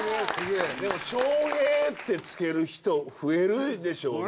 でも翔平ってつける人増えるでしょうね。